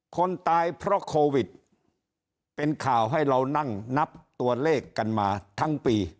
คนตายเพราะโควิดเป็นข่าวให้เรานั่งนับตัวเลขกันมาทั้งปี